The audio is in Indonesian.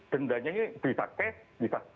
dendanya ini bisa cash